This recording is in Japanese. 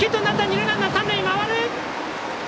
二塁ランナー、三塁回る！